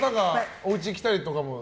おうち来たりとかも？